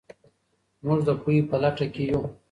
موږ د پوهې په لټه کې یو.